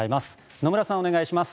野村さん、お願いします。